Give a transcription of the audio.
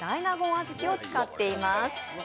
小豆を使っています。